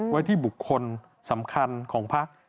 ไว้ที่บุคคลสำคัญของพัก